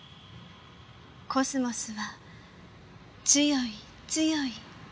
コスモスは強い強い花。